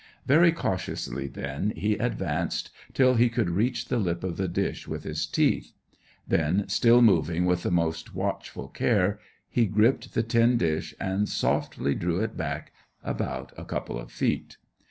Very cautiously, then, he advanced till he could reach the lip of the dish with his teeth; then, still moving with the most watchful care, he gripped the tin dish and softly drew it back about a couple of feet.